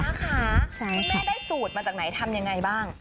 ค่ะคุณแม่ได้สูตรมาจากไหนทำยังไงบ้าง